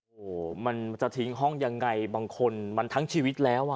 โอ้โหมันจะทิ้งห้องยังไงบางคนมันทั้งชีวิตแล้วอ่ะ